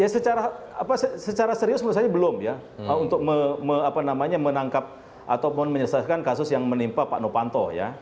ya secara serius menurut saya belum ya untuk menangkap ataupun menyelesaikan kasus yang menimpa pak nopanto ya